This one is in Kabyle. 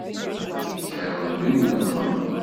Yekker rebbi i uleqqem.